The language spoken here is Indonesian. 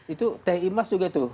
itu teh imas juga tuh